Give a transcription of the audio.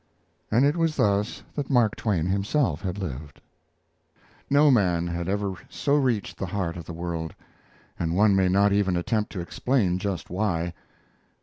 And it was thus that Mark Twain himself had lived. No man had ever so reached the heart of the world, and one may not even attempt to explain just why.